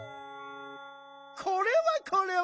これはこれは！